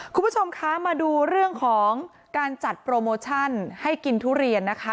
คุณผู้ชมคะมาดูเรื่องของการจัดโปรโมชั่นให้กินทุเรียนนะคะ